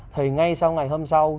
thì ngay sau ngày hôm sau